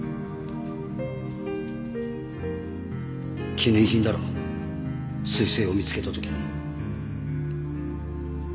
記念品だろ彗星を見つけた時の。